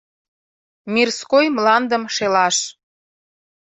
— Мирской мландым шелаш!